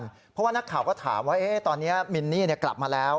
เพราะว่านักข่าวก็ถามว่าตอนนี้มินนี่กลับมาแล้ว